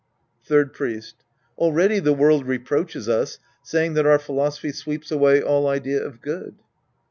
Third Priest. Already the world reproaches us, say ing that our philosophy sweeps away all idea of good.